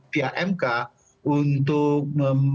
pihak mk untuk